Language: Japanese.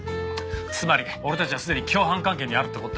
つまり俺たちはすでに共犯関係にあるって事だ。